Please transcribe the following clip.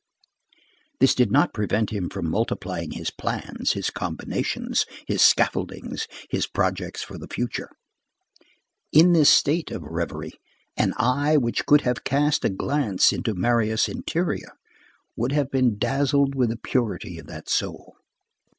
This did not prevent him from multiplying his plans, his combinations, his scaffoldings, his projects for the future. In this state of reverie, an eye which could have cast a glance into Marius' interior would have been dazzled with the purity of that soul.